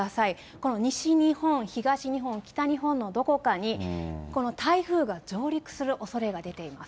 この西日本、東日本、北日本のどこかに、この台風が上陸するおそれが出ています。